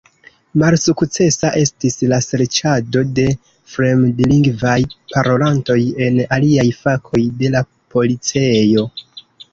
Malsukcesa estis la serĉado de fremdlingvaj parolantoj en aliaj fakoj de la policejo.